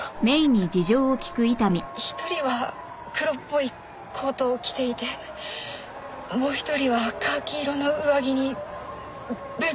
一人は黒っぽいコートを着ていてもう一人はカーキ色の上着にブーツを履いていました。